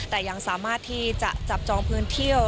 แต่ยังสามารถที่จะจับจองพื้นที่